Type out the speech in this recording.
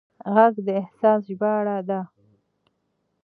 غږ د احساس ژباړه ده